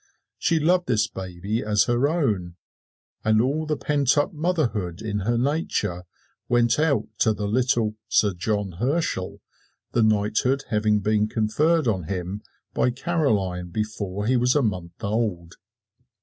She loved this baby as her own, and all the pent up motherhood in her nature went out to the little "Sir John Herschel," the knighthood having been conferred on him by Caroline before he was a month old.